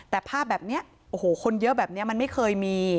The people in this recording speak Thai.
แต่ภาพแบบนี้โอ้โหคนเยอะแบบนี้มันไม่เคยมี